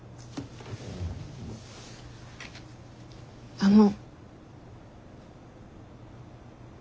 あの。